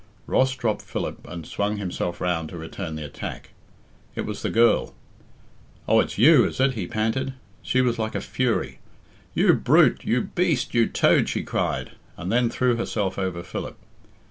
Ross dropped Philip and swung himself round to return the attack. It was the girl. "Oh, it's you, is it?" he panted. She was like a fury. "You brute, you beast, you toad," she cried, and then threw herself over Philip.